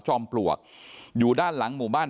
ขอบคุณทุกคน